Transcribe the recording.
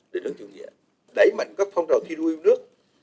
để nước chủ nghĩa đẩy mạnh các phong trào thi đua yêu nước